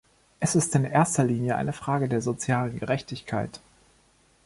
Es ist in erster Linie eine Frage der sozialen Gerechtigkeit.